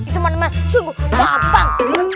teman teman sungguh gampang